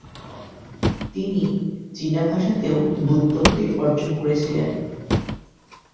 তিনি চিনাভাষাতেও ব্যুৎপত্তি অর্জন করেছিলেন।